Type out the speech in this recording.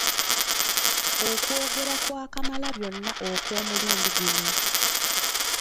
Okwogera kwa Kamalabyonna okw'omulundi guno